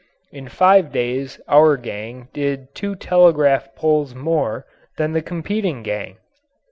In five days our gang did two telegraph poles more than the competing gang!